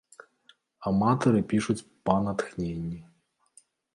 Аматары пішуць па натхненні.